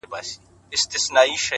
ماته ژړا نه راځي کله چي را یاد کړم هغه؛